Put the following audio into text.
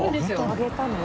あげたの？